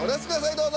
どうぞ。